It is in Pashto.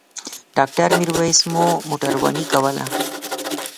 ډاکټر میرویس مو موټرواني کوله.